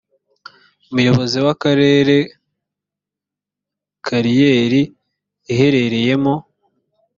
umuyobozi w akarere kariyeri iherereyemo